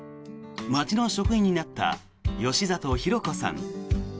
町の職員になった吉里演子さん。